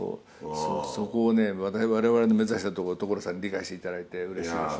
そこを我々の目指したところを所さんに理解していただいてうれしいですね。